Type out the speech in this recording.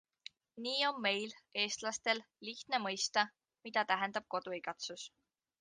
Nii on meil, eestlastel, lihtne mõista, mida tähendab koduigatsus.